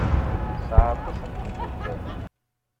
Tesɛa aṭas n tmeddukal.